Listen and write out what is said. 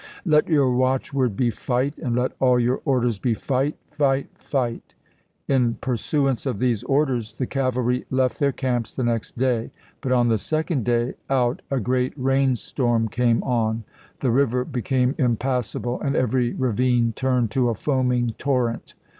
"Let your watch v^i.' xxv.; word be fight, and let all your orders be fight, p. io66.' fight, fight." In pursuance of these orders the cavalry left their camps the next day ; but on the second day out a great rain storm came on. The river became impassable and every ravine turned to a foaming torrent.